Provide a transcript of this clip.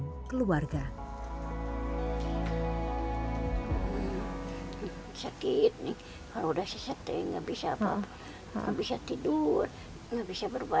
gak harus ini